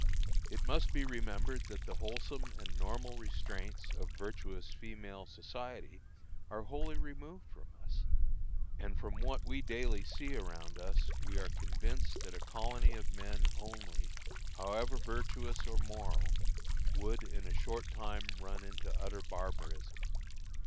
It must be remembered that the wholesome and normal restraints of virtuous female society are wholly removed from us. And from what we daily see around us we are convinced that a colony of men only, however virtuous or moral, would in a short time run into utter barbarism.